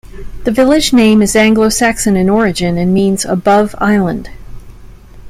The village name is Anglo-Saxon in origin and means "above island".